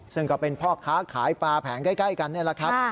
ซึ่งก็เป็นพ่อค้าขายปลาแผงใกล้กันนี่แหละครับ